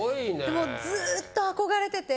もうずっと憧れてて。